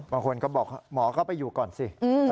บางคนก็บอกหมอเข้าไปอยู่ก่อนสิ